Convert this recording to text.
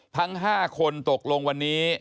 ทั้ง๕คนตกลงวันนี้